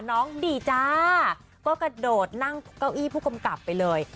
น้องดีจ้าก็กระโดดนั่งเก้าอี้ผู้กำกับไปเลย